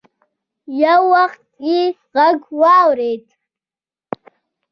يو وخت يې غږ واورېد.